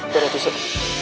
gue udah susah